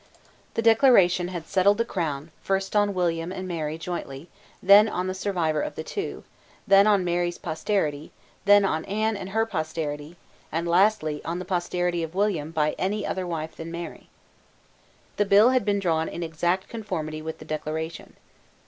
The Declaration had settled the crown, first on William and Mary jointly, then on the survivor of the two, then on Mary's posterity, then on Anne and her posterity, and, lastly, on the posterity of William by any other wife than Mary. The Bill had been drawn in exact conformity with the Declaration.